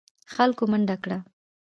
خلکو منډه کړه.